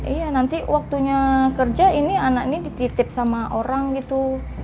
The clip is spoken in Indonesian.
iya nanti waktunya kerja ini anak ini dititip sama orang gitu